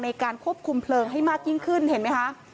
ในการควบคุมเพลิงให้มากยิ่งขึ้นเห็นไหมคะ